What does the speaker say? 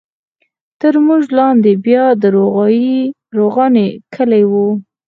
تر موږ لاندې بیا د روغاني کلی وو.